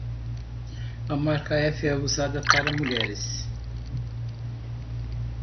A marca F é usada para mulheres.